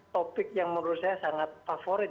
topik yang menurut saya sangat favorit